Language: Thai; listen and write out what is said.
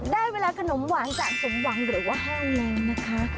ได้เวลาขนมหวานจะสมหวังหรือว่าแห้งแล้วนะคะ